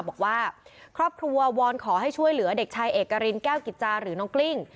บอกว่าครอบครัววอนขอให้ช่วยเหลือเด็กชายเอกรินแก้วกิจจาหรือน้องกลิ้ง